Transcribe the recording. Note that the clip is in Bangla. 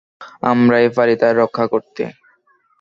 আমরাই পারি তা রক্ষা করতে।